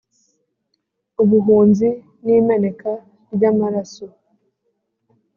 ubuhunzi n'imeneka ry' amaraso.